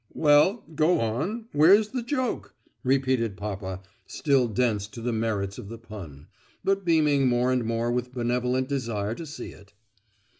" "Well, go on, where's the joke?" repeated papa, still dense to the merits of the pun, but beaming more and more with benevolent desire to see it.